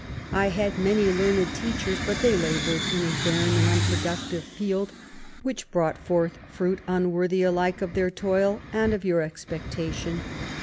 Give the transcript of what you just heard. I had many learned teachers, but they laboured in a barren and unproductive field, which brought forth fruit unworthy alike of their toil and of your expectation.